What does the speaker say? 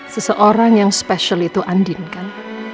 seseorang yang spesial itu andin kan